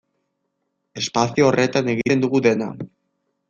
Espazio horretan egiten dugu dena.